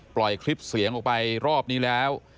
ปล่อยคลิปเสียงออกไปรอบนี้แล้ว